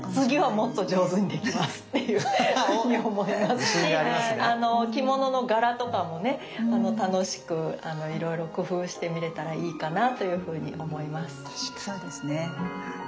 次はもっと上手にできますっていうふうに思いますし着物の柄とかもね楽しくいろいろ工夫してみれたらいいかなというふうに思います。